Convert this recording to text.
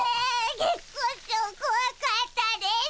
月光町こわかったです。